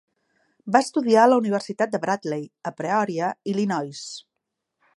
Va estudiar a la universitat de Bradley, a Peoria, Illinois.